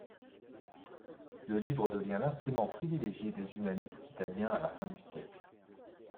Le livre devient l'instrument privilégié des humanistes italiens à la fin du siècle.